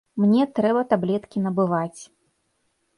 Мне трэба таблеткі набываць.